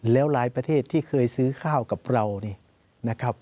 แล้วหลายประเทศที่เคยซื้อข้าวกับเรานี่นะครับ